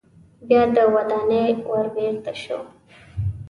بیا د ودانۍ ور بیرته شو.